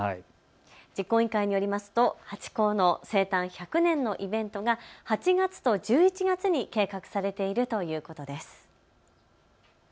実行委員会によるとハチ公の生誕１００年のイベントが８月と１１月に計画されているということです。